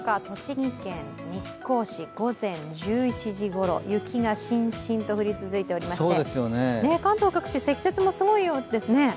栃木県日光市、午前１１時ごろ、雪がしんしんと降り続いていまして関東各地、積雪もすごい様子ですね